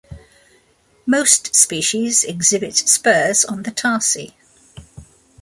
Most species exhibit spurs on the tarsi.